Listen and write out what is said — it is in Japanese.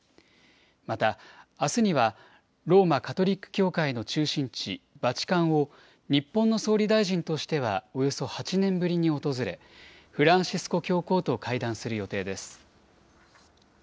また、あすにはローマ・カトリック教会の中心地バチカンを、日本の総理大臣としてはおよそ８年ぶりに訪れ、フランシスコ教皇と会談する予定です。